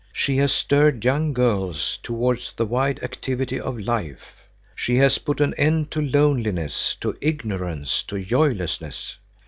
She has stirred young girls towards the wide activity of life. She has put an end to loneliness, to ignorance, to joylessness.